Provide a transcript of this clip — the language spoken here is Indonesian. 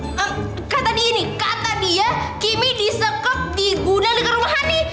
eee kata dia nih kata dia kimi disekep di guna dekat rumah hani